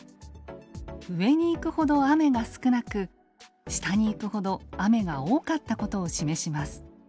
上に行くほど雨が少なく下に行くほど雨が多かったことを示します。